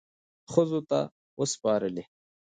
ښځو ته وسپارلې،